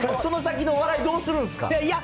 その先のお笑い、どうするんですか？